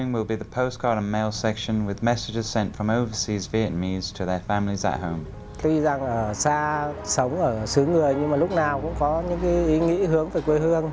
nhưng mà lúc nào cũng có những ý nghĩa hướng về quê hương